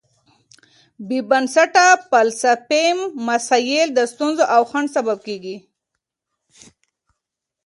بېبنسټه فلسفي مسایل د ستونزو او خنډونو سبب کېږي.